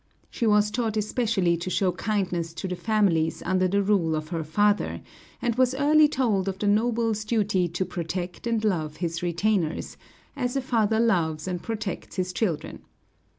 She was taught especially to show kindness to the families under the rule of her father, and was early told of the noble's duty to protect and love his retainers, as a father loves and protects his children.